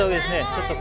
ちょっと。